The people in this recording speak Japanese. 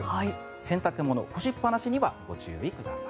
洗濯物、干しっぱなしにはご注意ください。